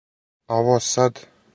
А ово сад?